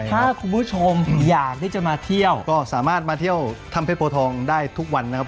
ถ้าคุณผู้ชมอยากที่จะมาเที่ยวก็สามารถมาเที่ยวถ้ำเพชรโพทองได้ทุกวันนะครับ